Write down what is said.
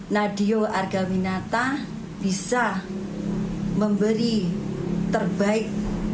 nadio argaminata bisa memberi terbaik